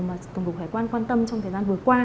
mà tổng cục hải quan quan tâm trong thời gian vừa qua